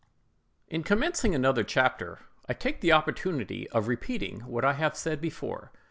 IN commencing another chapter, I take the opportunity of repeating what I have said before, viz.